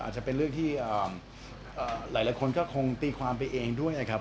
อาจจะเป็นเรื่องที่หลายคนก็คงตีความไปเองด้วยนะครับ